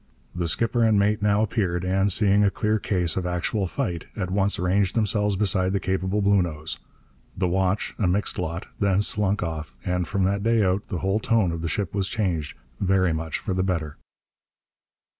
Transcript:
The skipper and mate now appeared, and, seeing a clear case of actual fight, at once ranged themselves beside the capable Bluenose. The watch, a mixed lot, then slunk off; and, from that day out, the whole tone of the ship was changed, very much for the better.